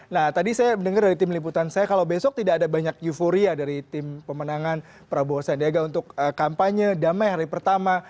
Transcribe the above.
nah tadi saya mendengar dari tim liputan saya kalau besok tidak ada banyak euforia dari tim pemenangan prabowo sandiaga untuk kampanye damai hari pertama